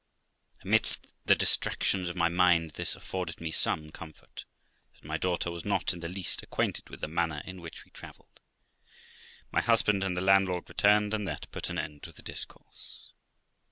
Amidst the distractions of my mind, this afforded me some comfort, that my daughter was not in the least acquainted with the manner in which we travelled. My husband and the landlord returned, and that put an end to the discourse.